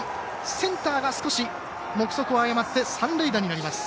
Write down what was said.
センターが少し目測を誤って三塁打になります。